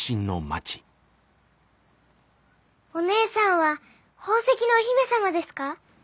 おねえさんは宝石のお姫様ですか？